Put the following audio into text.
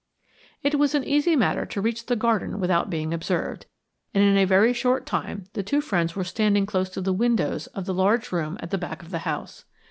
It was an easy matter to reach the garden without being observed, and in a very short time the two friends were standing close to the windows of the large room at the back of the house.